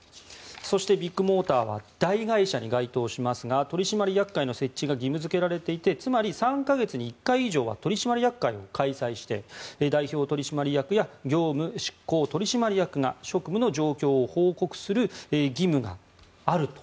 そしてビッグモーターは大会社に該当しますが取締役会の設置が義務付けられていてつまり、３か月に１回以上は取締役会を開催して代表取締役や業務執行取締役が職務の状況を報告する義務があると。